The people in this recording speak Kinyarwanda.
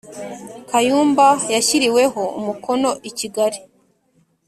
Kayumba yashyiriweho umukono i Kigali